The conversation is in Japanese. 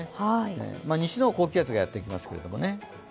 西の方は高気圧がやってきますけれどもね。